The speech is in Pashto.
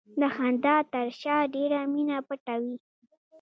د خندا تر شا ډېره مینه پټه وي.